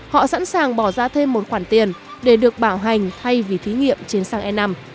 họ sẵn sàng bỏ ra thêm một khoản tiền để được bảo hành thay vì thí nghiệm trên sang e năm